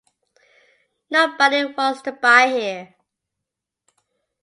Nobody wants to buy here.